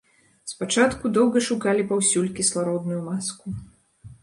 Спачатку доўга шукалі паўсюль кіслародную маску.